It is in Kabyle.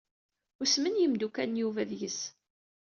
Usmen yimdukal n Yuba deg-s.